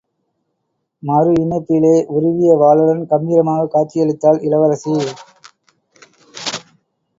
மறு இமைப்பிலே– உருவிய வாளுடன் கம்பீரமாகக் காட்சியளித்தாள் இளவரசி.